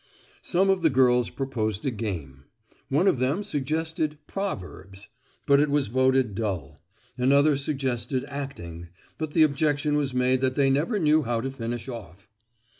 Some of the girls proposed a game. One of them suggested "Proverbs," but it was voted dull; another suggested acting, but the objection was made that they never knew how to finish off.